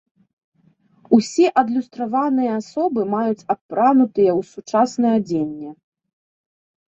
Усе адлюстраваныя асобы маюць апранутыя ў сучаснае адзенне.